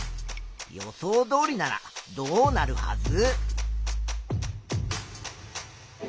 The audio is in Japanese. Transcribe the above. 予想どおりならどうなるはず？